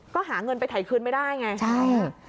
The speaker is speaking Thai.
ก็หาเงินไปถ่ายคืนไม่ได้ไงใช่